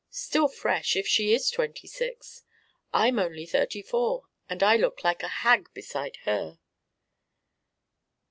"Still fresh, if she is twenty six. I'm only thirty four and I look like a hag beside her."